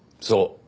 そう。